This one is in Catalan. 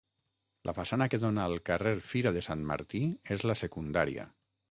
La façana que dóna al carrer Fira de Sant Martí és la secundària.